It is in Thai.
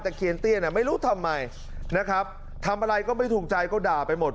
ตะเคียนเตี้ยไม่รู้ทำไมทำอะไรก็ไม่ถูกใจก็ด่าไปหมด